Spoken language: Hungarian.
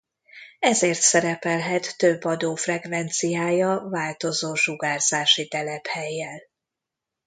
Ezért szerepelhet több adó frekvenciája változó sugárzási telephellyel.